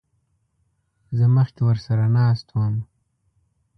زه مخکې ورسره ناست وم.